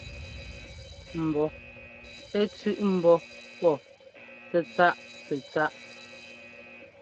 Mbɔ ɛ́ tsʉ̄ꞌ ḿbɔ́ pɔ́ tsɛ́tsáꞌ tsɛ́tsáꞌ.